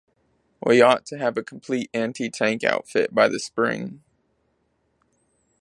We ought to have a complete anti-tank outfit by the spring.